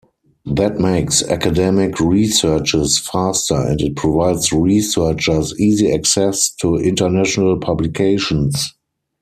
That makes academic researches faster and it provides researchers easy access to international publications.